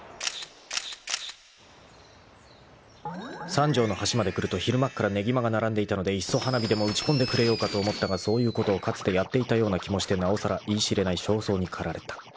［三条の橋まで来ると昼間っからねぎまが並んでいたのでいっそ花火でも打ち込んでくれようかと思ったがそういうことをかつてやっていたような気もしてなおさら言い知れない焦燥にかられた］